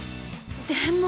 でも。